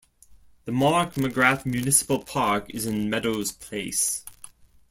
The Mark McGrath Municipal Park is in Meadows Place.